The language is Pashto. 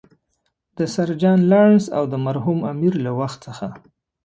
له سر جان لارنس او د مرحوم امیر له وخت څخه.